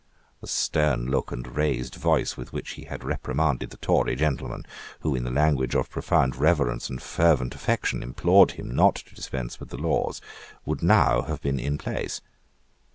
The stern look and raised voice with which he had reprimanded the Tory gentlemen, who, in the language of profound reverence and fervent affection, implored him not to dispense with the laws, would now have been in place.